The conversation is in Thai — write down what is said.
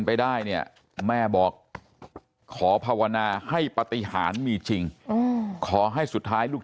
ไปได้เนี่ยแม่บอกขอภาวนาให้ปฏิหารมีจริงขอให้สุดท้ายลูก